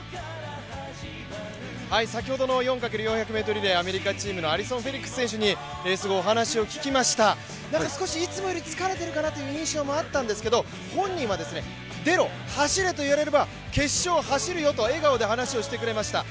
先ほどの４×４００ｍリレーアメリカチームのアリソン・フェリックス選手にお話を聞きました、少しいつもより疲れてるかなという印象もあったんですが本人は、出ろ、走れと言われれば決勝走るよと笑顔で話をしてくれました。